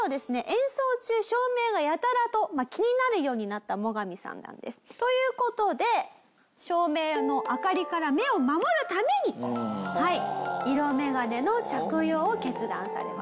演奏中照明がやたらと気になるようになったモガミさんなんです。という事で照明の明かりから目を守るために色メガネの着用を決断されます。